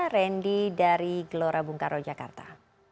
randy dari gelora bung karno jakarta